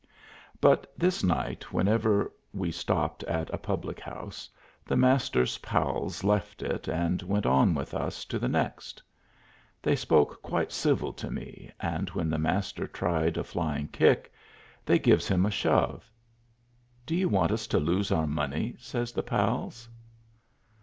But this night, whenever we stopped at a public house, the Master's pals left it and went on with us to the next. They spoke quite civil to me, and when the Master tried a flying kick, they gives him a shove. "Do you want us to lose our money?" says the pals.